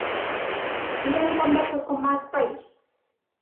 Tiveron conversas con Más País?